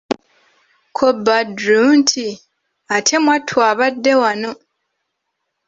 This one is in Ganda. Ko Badru nti:"ate mwattu abadde wano"